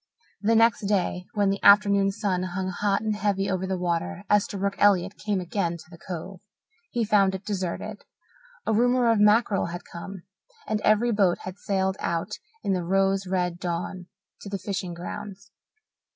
The next day, when the afternoon sun hung hot and heavy over the water, Esterbrook Elliott came again to the Cove. He found it deserted. A rumour of mackerel had come, and every boat had sailed out in the rose red dawn to the fishing grounds.